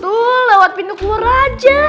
tuh lewat pintu keluar aja